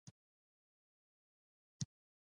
پر خپلو جامو ګنډلې